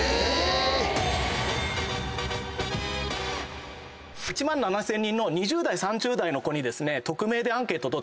１万７，０００人の２０代３０代の子に匿名でアンケート取ったら。